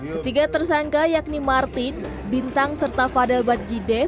ketiga tersangka yakni martin bintang serta fadel badjide